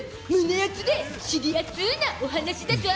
アツで尻アツなお話だゾ！